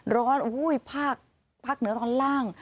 ร้อนภาคเหนือตอนล่าง